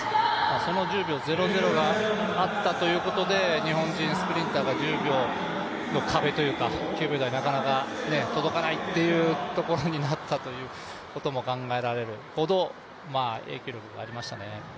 その１０秒００があったということで日本人スプリンターが１０秒の壁というか９秒台なかなか届かないっていうところになったということも考えられるほど影響力がありましたね。